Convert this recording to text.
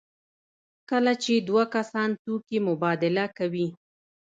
کله چې دوه کسان توکي مبادله کوي.